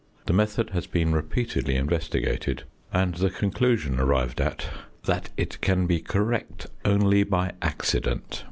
The method has been repeatedly investigated, and the conclusion arrived at, "that it can be correct only by accident."